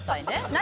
何？